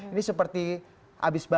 ini seperti abis berjalan